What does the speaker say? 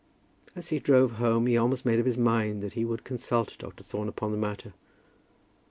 As he drove home he almost made up his mind that he would consult Dr. Thorne upon the matter.